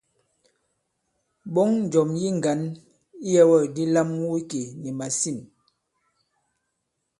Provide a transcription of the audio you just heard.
Ɓɔ̌ŋ njɔ̀m yi ŋgǎn iyɛ̄wɛ̂kdi lam wu ikè nì màsîn.